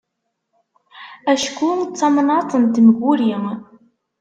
Acku d tamnaḍt n temguri.